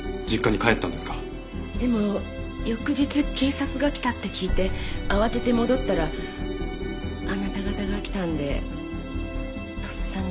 でも翌日警察が来たって聞いて慌てて戻ったらあなた方が来たんでとっさに隠れて。